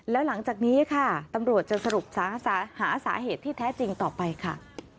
แล้วหลังจากนี้ค่ะตำรวจจะสรุปหาสาเหตุที่แท้จริงต่อไปค่ะ